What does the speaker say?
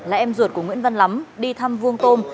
là em ruột của nguyễn văn lắm đi thăm vuông tôm